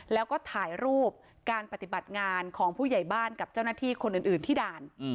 แล้วก็ถ่ายรูปการปฏิบัติงานของผู้ใหญ่บ้านกับเจ้าหน้าที่คนอื่นที่ด่าน